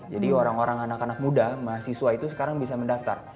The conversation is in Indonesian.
jadi orang orang anak anak muda mahasiswa itu sekarang bisa mendaftar